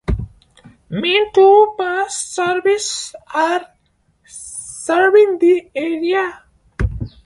Main two bus service are serving the area.